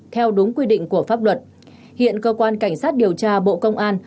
theo đúng quy định của pháp luật hiện cơ quan cảnh sát điều tra bộ công an